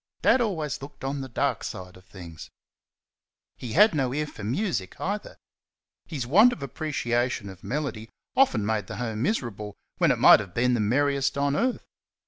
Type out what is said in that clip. Dad always looked on the dark side of things. He had no ear for music either. His want of appreciation of melody often made the home miserable when it might have been the merriest on earth.